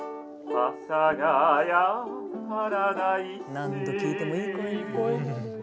何度聴いてもいい声ね。